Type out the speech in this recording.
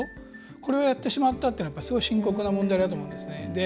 これをやってしまったというのはすごい深刻な問題だと思いますね。